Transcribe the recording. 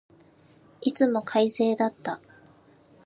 いつも快晴だった。